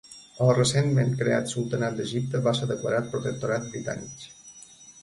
El recentment creat Sultanat d'Egipte va ser declarat protectorat britànic.